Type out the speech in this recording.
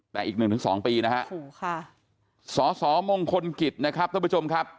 แต่อีก๑๒ปีนะครับสสมงคลกิจนะครับท่านผู้ชมครับ